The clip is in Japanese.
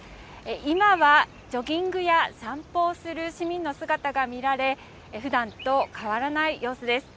今はジョギングや散歩をする市民の姿が見られ、ふだんと変わらない様子です。